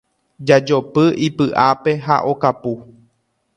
Jajopy ipy'ápe ha okapu.